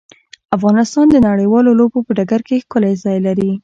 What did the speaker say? افغانستان د نړیوالو لوبو په ډګر کې ښکلی ځای لري.